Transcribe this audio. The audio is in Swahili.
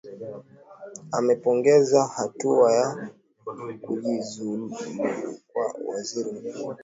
amepongeza hatua ya kujiuzulu kwa waziri mkuu shafil